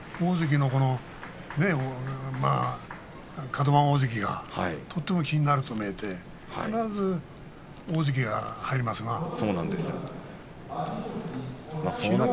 カド番大関がとても気になると見えて必ず大関が入りますな。